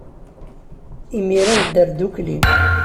Imir-a, nedder ddukkli.